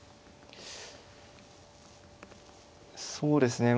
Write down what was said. そうですね